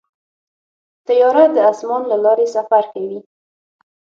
طیاره د اسمان له لارې سفر کوي.